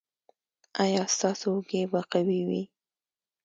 ایا ستاسو اوږې به قوي وي؟